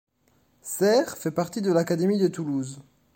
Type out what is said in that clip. Seyre fait partie de l'académie de Toulouse.